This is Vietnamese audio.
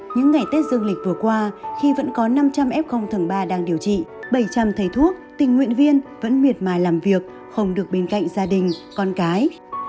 những ngày tết dương lịch vừa qua khi vẫn có năm trăm linh f tầng ba đang điều trị bảy trăm linh thầy thuốc tình nguyện viên vẫn miệt mài làm việc không được bên cạnh gia đình con cái